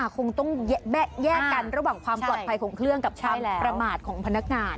คงต้องแยกกันระหว่างความปลอดภัยของเครื่องกับความประมาทของพนักงาน